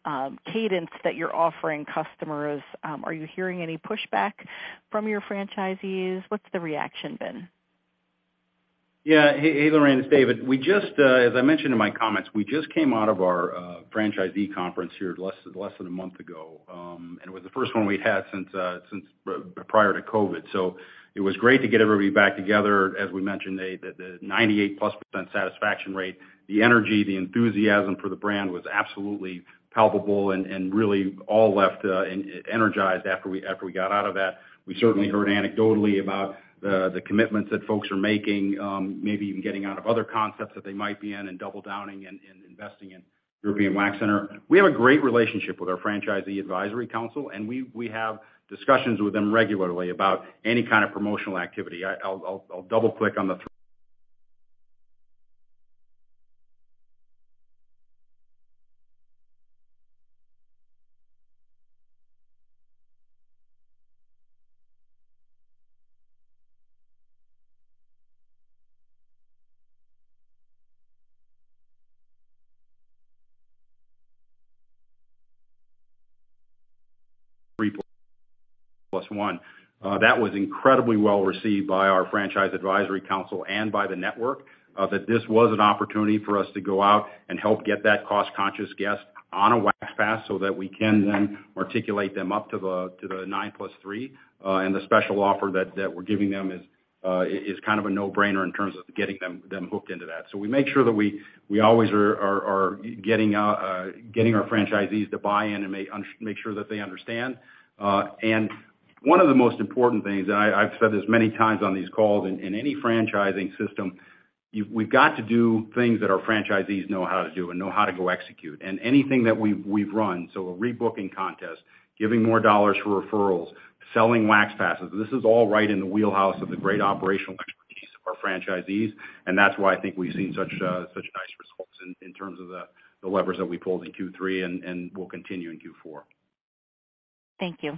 cadence that you're offering customers? Are you hearing any pushback from your franchisees? What's the reaction been? Yeah. Hey, Lorraine, it's David. We just, as I mentioned in my comments, we just came out of our franchisee conference here less than a month ago. It was the first one we'd had since prior to COVID. It was great to get everybody back together. As we mentioned, the 98+% satisfaction rate, the energy, the enthusiasm for the brand was absolutely palpable and really all left energized after we got out of that. We certainly heard anecdotally about the commitments that folks are making, maybe even getting out of other concepts that they might be in and doubling down and investing in European Wax Center. We have a great relationship with our franchisee advisory council, and we have discussions with them regularly about any kind of promotional activity. I'll double-click on the three- 3+1. That was incredibly well received by our franchisee advisory council and by the network that this was an opportunity for us to go out and help get that cost-conscious guest on a Wax Pass so that we can then articulate them up to the 9+3. The special offer that we're giving them is kind of a no-brainer in terms of getting them hooked into that. We make sure that we always are getting our franchisees to buy in and make sure that they understand. One of the most important things, and I've said this many times on these calls, in any franchising system, we've got to do things that our franchisees know how to do and know how to go execute. Anything that we've run, so a rebooking contest, giving more dollars for referrals, selling Wax Passes, this is all right in the wheelhouse of the great operational expertise of our franchisees. That's why I think we've seen such nice results in terms of the levers that we pulled in Q3 and will continue in Q4. Thank you.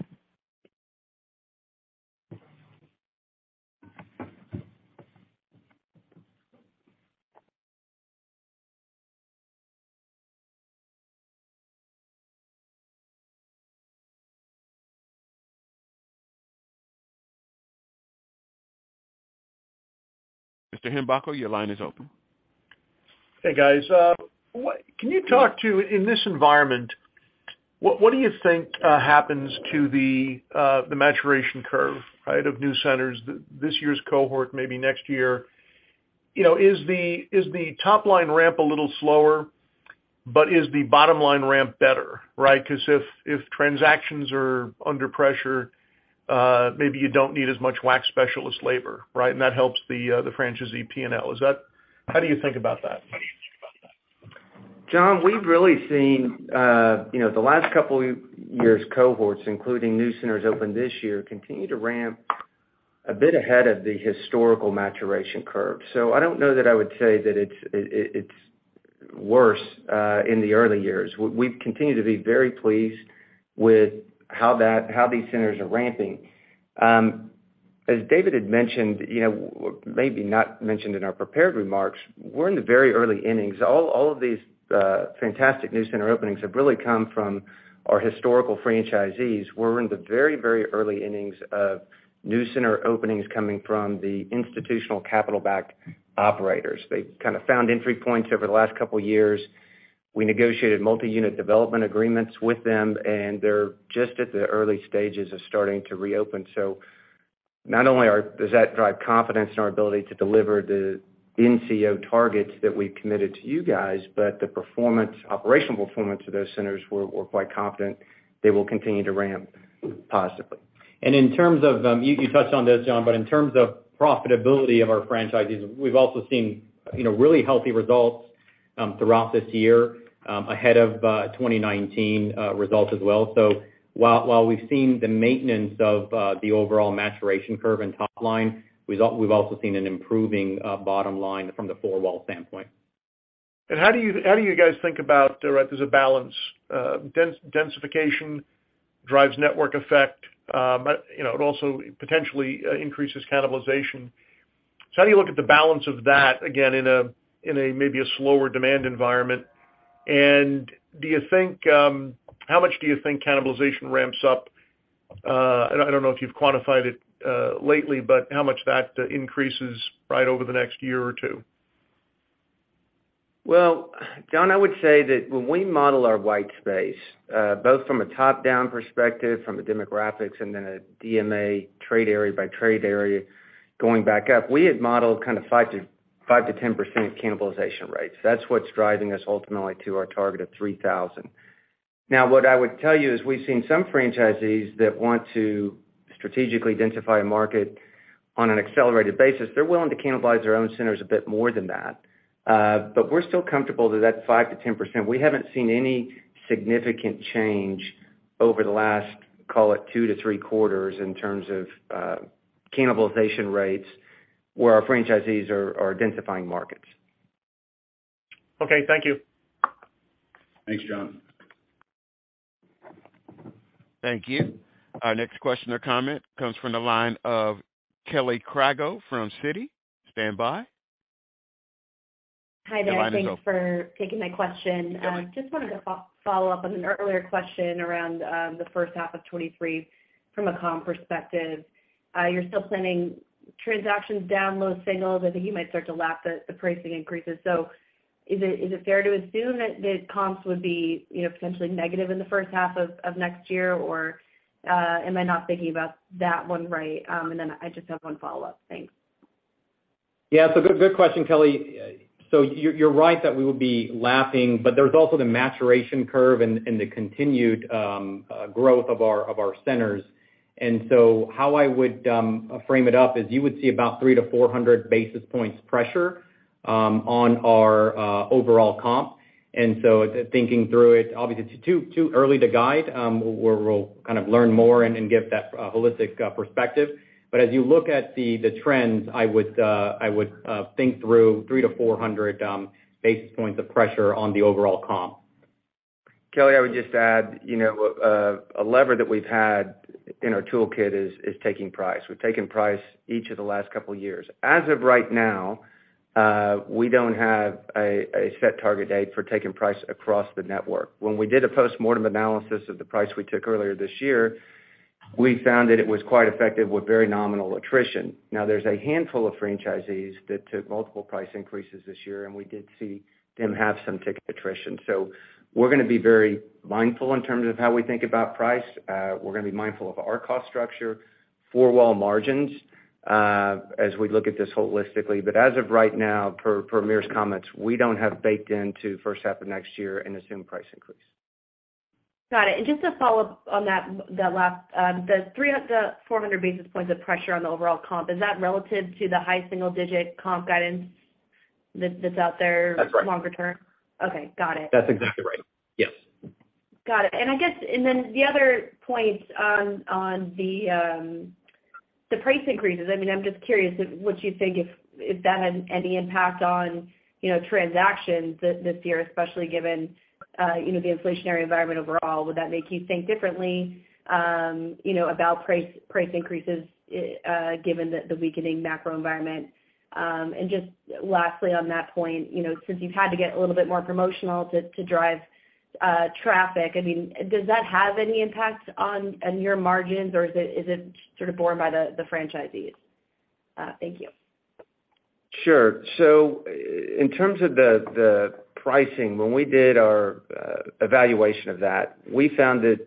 John Heinbockel, your line is open. Hey, guys. Can you talk to, in this environment, what do you think happens to the maturation curve, right, of new centers, this year's cohort, maybe next year? You know, is the top line ramp a little slower, but is the bottom line ramp better, right? Because if transactions are under pressure, maybe you don't need as much wax specialist labor, right? That helps the franchisee P&L. Is that how do you think about that? John, we've really seen the last couple years cohorts, including new centers opened this year, continue to ramp a bit ahead of the historical maturation curve. I don't know that I would say that it's worse in the early years. We've continued to be very pleased with how these centers are ramping. As David had mentioned, maybe not mentioned in our prepared remarks, we're in the very early innings. All of these fantastic new center openings have really come from our historical franchisees. We're in the very early innings of new center openings coming from the institutional capital-backed operators. They've kind of found entry points over the last couple years. We negotiated multi-unit development agreements with them, and they're just at the early stages of starting to reopen. Not only does that drive confidence in our ability to deliver the NCO targets that we've committed to you guys, but the performance, operational performance of those centers, we're quite confident they will continue to ramp positively. In terms of, you touched on this, John, but in terms of profitability of our franchises, we've also seen, you know, really healthy results throughout this year, ahead of 2019 results as well. While we've seen the maintenance of the overall maturation curve and top line, we've also seen an improving bottom line from the four-wall standpoint. How do you guys think about, right, as a balance, densification drives network effect, but you know it also potentially increases cannibalization. How do you look at the balance of that, again, in a maybe slower demand environment? Do you think how much cannibalization ramps up? I don't know if you've quantified it lately, but how much that increases right over the next year or two? Well, John, I would say that when we model our white space, both from a top-down perspective, from a demographics and then a DMA trade area by trade area going back up, we had modeled kind of 5%-10% cannibalization rates. That's what's driving us ultimately to our target of 3,000. Now, what I would tell you is we've seen some franchisees that want to strategically densify a market on an accelerated basis. They're willing to cannibalize their own centers a bit more than that. We're still comfortable that that's 5%-10%. We haven't seen any significant change over the last, call it two to three quarters in terms of cannibalization rates where our franchisees are densifying markets. Okay. Thank you. Thanks, John. Thank you. Our next question or comment comes from the line of Kelly Crago from Citigroup. Stand by. Hi there. Your line is open. Thanks for taking my question. Yeah. Just wanted to follow up on an earlier question around the first half of 2023 from a comp perspective. You're still seeing transactions down, low singles. I think you might start to lap the pricing increases. Is it fair to assume that the comps would be, you know, potentially negative in the first half of next year? Or am I not thinking about that one right? And then I just have one follow-up. Thanks. Yeah. Good question, Kelly. You're right that we will be lapping, but there's also the maturation curve and the continued growth of our centers. How I would frame it up is you would see about 300-400 basis points pressure on our overall comp. Thinking through it, obviously it's too early to guide, we'll kind of learn more and get that holistic perspective. But as you look at the trends, I would think through 300-400 basis points of pressure on the overall comp. Kelly, I would just add, you know, a lever that we've had in our toolkit is taking price. We've taken price each of the last couple of years. As of right now, we don't have a set target date for taking price across the network. When we did a post-mortem analysis of the price we took earlier this year, we found that it was quite effective with very nominal attrition. Now, there's a handful of franchisees that took multiple price increases this year, and we did see them have some ticket attrition. We're gonna be very mindful in terms of how we think about price. We're gonna be mindful of our cost structure, four-wall margins, as we look at this holistically. As of right now, per Amir's comments, we don't have baked into first half of next year an assumed price increase. Got it. Just to follow up on that last, the four hundred basis points of pressure on the overall comp, is that relative to the high single digit comp guidance that's out there? That's right. Longer term? Okay. Got it. That's exactly right. Yes. Got it. I guess, then the other point on the price increases. I mean, I'm just curious if you would think if that had any impact on, you know, transactions this year, especially given, you know, the inflationary environment overall. Would that make you think differently, you know, about price increases, given the weakening macro environment? Just lastly on that point, you know, since you've had to get a little bit more promotional to drive traffic, I mean, does that have any impact on your margins, or is it sort of borne by the franchisees? Thank you. In terms of the pricing, when we did our evaluation of that, we found that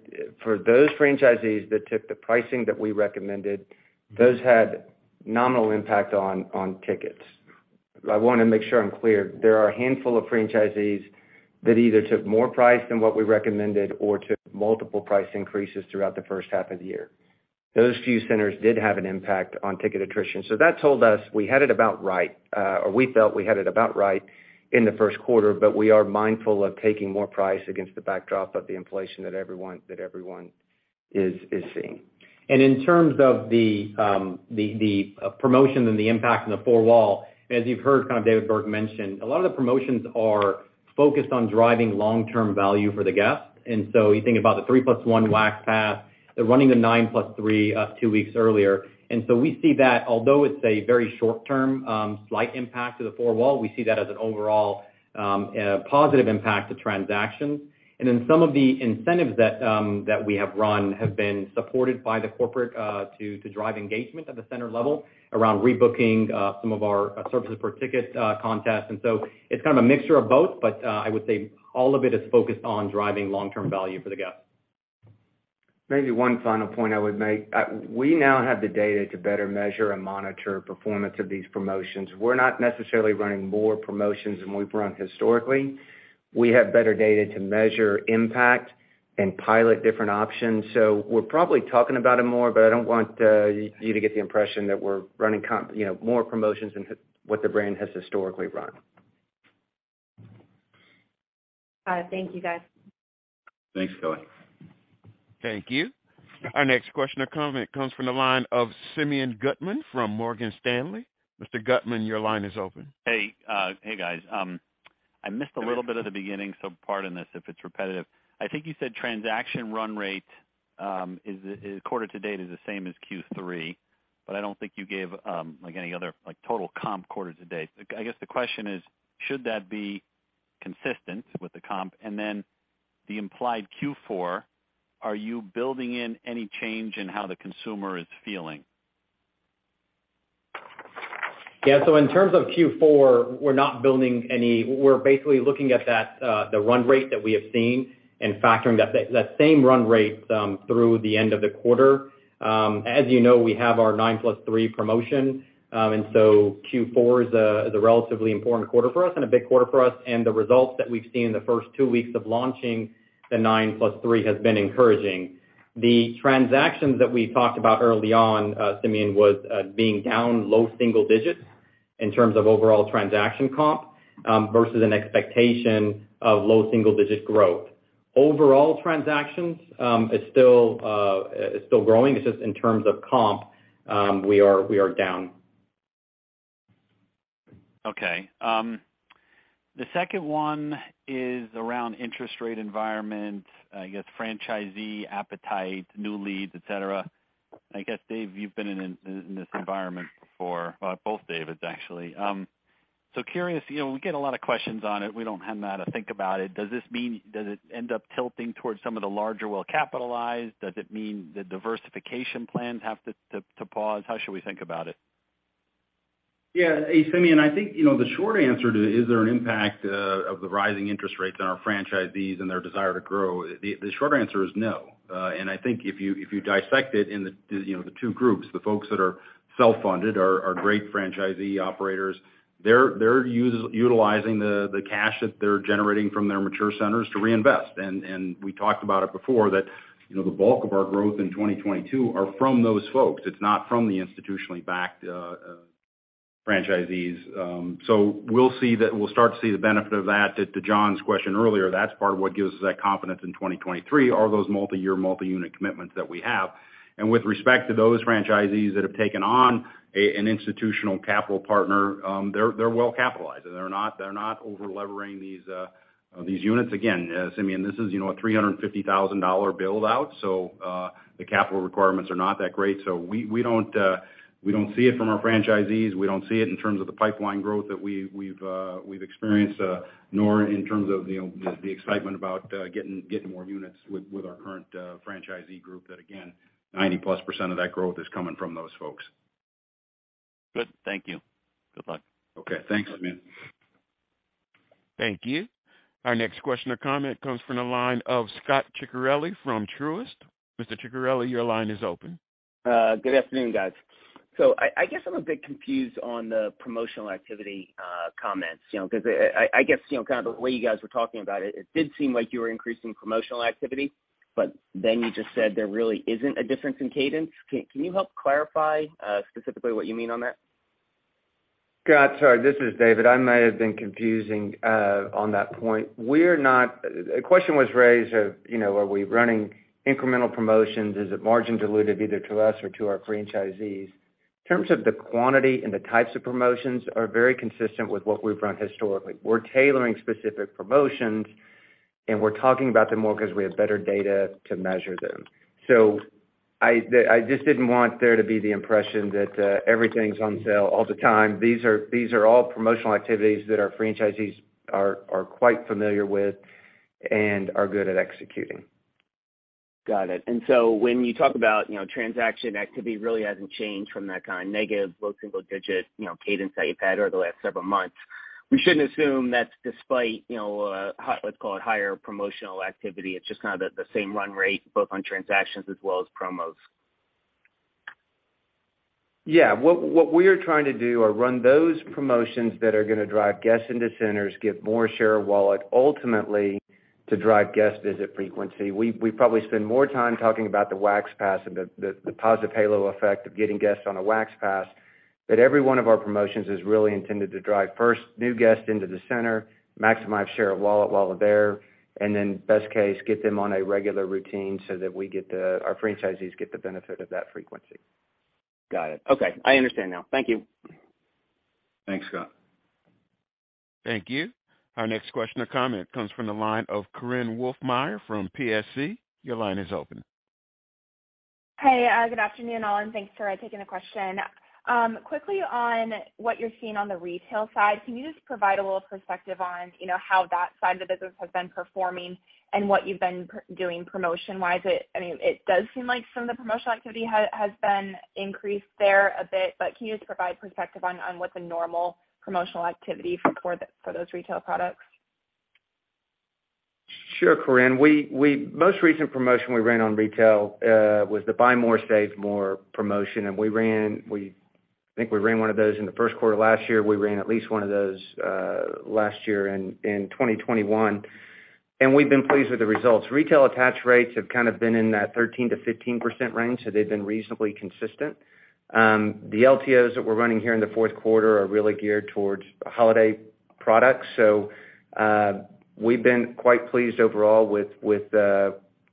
for those franchisees that took the pricing that we recommended, those had nominal impact on tickets. I wanna make sure I'm clear. There are a handful of franchisees that either took more price than what we recommended or took multiple price increases throughout the first half of the year. Those few centers did have an impact on ticket attrition. That told us we had it about right, or we felt we had it about right in the first quarter, but we are mindful of taking more price against the backdrop of the inflation that everyone is seeing. In terms of the promotion and the impact on the four-wall, as you've heard kind of David Berg mention, a lot of the promotions are focused on driving long-term value for the guest. You think about the 3+1 Wax Pass, they're running the 9+3 two weeks earlier. We see that although it's a very short-term slight impact to the four-wall, we see that as an overall positive impact to transactions. Some of the incentives that we have run have been supported by corporate to drive engagement at the center level around rebooking some of our services per ticket contest. It's kind of a mixture of both, but I would say all of it is focused on driving long-term value for the guest. Maybe one final point I would make. We now have the data to better measure and monitor performance of these promotions. We're not necessarily running more promotions than we've run historically. We have better data to measure impact and pilot different options. We're probably talking about it more, but I don't want you to get the impression that we're running, you know, more promotions than what the brand has historically run. All right. Thank you, guys. Thanks, Kelly. Thank you. Our next question or comment comes from the line of Simeon Gutman from Morgan Stanley. Mr. Gutman, your line is open. Hey, hey, guys. I missed a little bit of the beginning, so pardon this if it's repetitive. I think you said transaction run rate is quarter to date is the same as Q3, but I don't think you gave like any other like total comp quarters to date. I guess the question is, should that be consistent with the comp? Then the implied Q4, are you building in any change in how the consumer is feeling? Yeah. In terms of Q4, we're basically looking at that the run rate that we have seen and factoring that same run rate through the end of the quarter. As you know, we have our 9+3 promotion, and so Q4 is a relatively important quarter for us and a big quarter for us. The results that we've seen in the first two weeks of launching the 9+3 has been encouraging. The transactions that we talked about early on, Simeon, was being down low single digits in terms of overall transaction comp versus an expectation of low single digit growth. Overall transactions is still growing. It's just in terms of comp, we are down. Okay. The second one is around interest rate environment, I guess, franchisee appetite, new leads, et cetera. I guess, David, you've been in this environment before. Both Davids actually. So curious, you know, we get a lot of questions on it. We don't have to think about it. Does this mean does it end up tilting towards some of the larger well capitalized? Does it mean the diversification plans have to pause? How should we think about it? Yeah. Hey, Simeon. I think, you know, the short answer to is there an impact of the rising interest rates on our franchisees and their desire to grow, the short answer is no. I think if you dissect it in the, you know, the two groups, the folks that are self-funded are great franchisee operators. They're utilizing the cash that they're generating from their mature centers to reinvest. We talked about it before that, you know, the bulk of our growth in 2022 are from those folks. It's not from the institutionally backed franchisees. We'll see that. We'll start to see the benefit of that. To John's question earlier, that's part of what gives us that confidence in 2023 are those multi-year, multi-unit commitments that we have. With respect to those franchisees that have taken on an institutional capital partner, they're well capitalized and they're not over-leveraging these units. Again, Simeon, this is, you know, a $350,000 build-out, so the capital requirements are not that great. We don't see it from our franchisees. We don't see it in terms of the pipeline growth that we've experienced, nor in terms of, you know, the excitement about getting more units with our current franchisee group that, again, 90%+ of that growth is coming from those folks. Good. Thank you. Good luck. Okay. Thanks, Simeon. Thank you. Our next question or comment comes from the line of Scot Ciccarelli from Truist. Mr. Ciccarelli, your line is open. Good afternoon, guys. I guess I'm a bit confused on the promotional activity comments, you know, 'cause I guess, you know, kind of the way you guys were talking about it did seem like you were increasing promotional activity, but then you just said there really isn't a difference in cadence. Can you help clarify specifically what you mean on that? Scot, sorry, this is David. I might have been confusing on that point. The question was raised of, you know, are we running incremental promotions? Is it margin dilutive either to us or to our franchisees? In terms of the quantity and the types of promotions are very consistent with what we've run historically. We're tailoring specific promotions, and we're talking about them more 'cause we have better data to measure them. I just didn't want there to be the impression that everything's on sale all the time. These are all promotional activities that our franchisees are quite familiar with and are good at executing. Got it. When you talk about, you know, transaction activity really hasn't changed from that kind of negative, low single digit, you know, cadence that you've had over the last several months, we shouldn't assume that's despite, you know, let's call it higher promotional activity. It's just kind of the same run rate both on transactions as well as promos. Yeah. What we are trying to do are run those promotions that are gonna drive guests into centers, get more share of wallet, ultimately, to drive guest visit frequency. We probably spend more time talking about the Wax Pass and the positive halo effect of getting guests on a Wax Pass. Every one of our promotions is really intended to drive first new guests into the center, maximize share of wallet while they're there, and then best case, get them on a regular routine so that we get our franchisees get the benefit of that frequency. Got it. Okay, I understand now. Thank you. Thanks, Scot. Thank you. Our next question or comment comes from the line of Korinne Wolfmeyer from Piper Sandler. Your line is open. Hey, good afternoon, all, and thanks for taking the question. Quickly on what you're seeing on the retail side, can you just provide a little perspective on, you know, how that side of the business has been performing and what you've been doing promotion-wise? I mean, it does seem like some of the promotional activity has been increased there a bit, but can you just provide perspective on what the normal promotional activity for those retail products? Sure, Korinne. Most recent promotion we ran on retail was the Buy More, Save More promotion, and we think we ran one of those in the first quarter last year. We ran at least one of those last year in 2021, and we've been pleased with the results. Retail attach rates have kind of been in that 13%-15% range, so they've been reasonably consistent. The LTOs that we're running here in the fourth quarter are really geared towards holiday products. We've been quite pleased overall with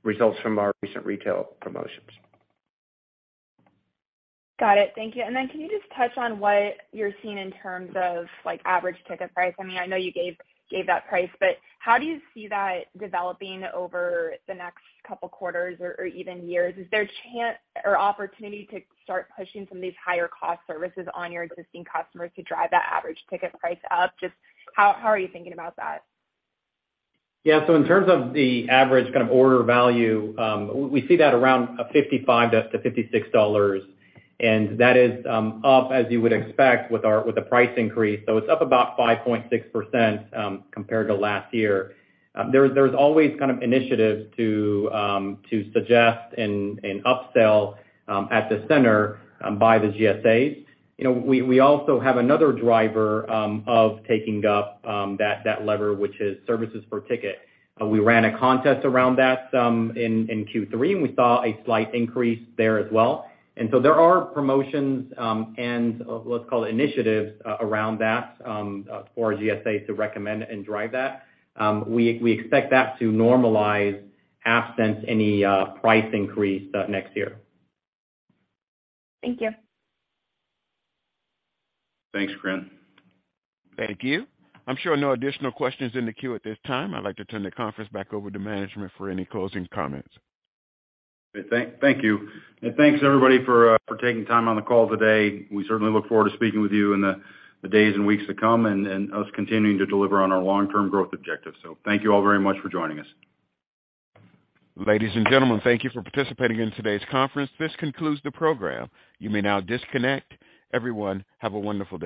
results from our recent retail promotions. Got it. Thank you. Then can you just touch on what you're seeing in terms of, like, average ticket price? I mean, I know you gave that price, but how do you see that developing over the next couple quarters or even years? Is there a chance or opportunity to start pushing some of these higher cost services on your existing customers to drive that average ticket price up? Just how are you thinking about that? In terms of the average kind of order value, we see that around $55-$56, and that is up as you would expect with our price increase. It's up about 5.6% compared to last year. There's always kind of initiatives to suggest and upsell at the center by the GSAs. You know, we also have another driver of taking up that lever, which is services per ticket. We ran a contest around that in Q3, and we saw a slight increase there as well. There are promotions and let's call it initiatives around that for GSAs to recommend and drive that. We expect that to normalize absent any price increase next year. Thank you. Thanks, Korinne. Thank you. I'm showing no additional questions in the queue at this time. I'd like to turn the conference back over to management for any closing comments. Thank you. Thanks, everybody, for taking time on the call today. We certainly look forward to speaking with you in the days and weeks to come and us continuing to deliver on our long-term growth objectives. Thank you all very much for joining us. Ladies and gentlemen, thank you for participating in today's conference. This concludes the program. You may now disconnect. Everyone, have a wonderful day.